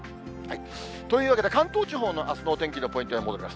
というわけで、関東地方のあすのお天気のポイントへ戻ります。